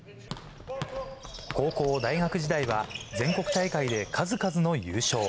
高校、大学時代は全国大会で数々の優勝。